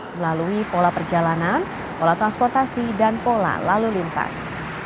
melalui pola perjalanan pola transportasi dan pola lalu lintas